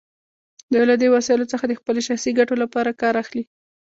دوی له دې وسایلو څخه د خپلو شخصي ګټو لپاره کار اخلي.